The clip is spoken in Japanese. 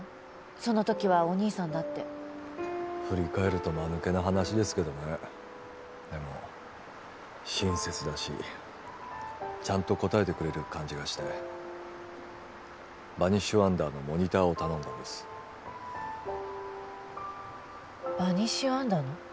その時はお兄さんだって振り返るとまぬけな話ですけどねでも親切だしちゃんと答えてくれる感じがしてバニッシュワンダーのモニターを頼んだんですバニッシュワンダーの？